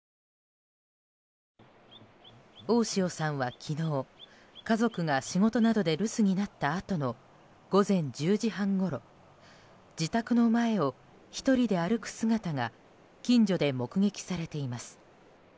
大塩さんは昨日家族が仕事などで留守になったあとの午前１０時半ごろ自宅の前を１人で歩く姿が近所で目撃されています。